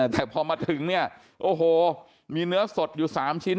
แต่พอมาถึงเนี่ยโอ้โหมีเนื้อสดอยู่๓ชิ้น